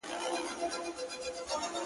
• چيري ترخه بمبل چيري ټوکيږي سره ګلونه..